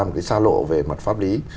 một cái xa lộ về mặt pháp lý